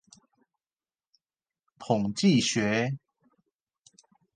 統計學